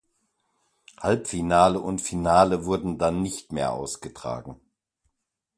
Halbfinale und Finale wurden dann nicht mehr ausgetragen.